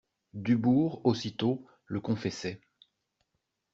Dubourg, aussitôt, le confessait.